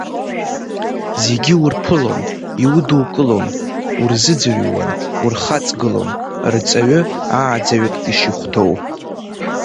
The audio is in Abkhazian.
Зегьы урԥылон, иудукылон, урзыӡырҩуан, урхаҵгылон, рҵаҩы ааӡаҩык ишихәҭоу.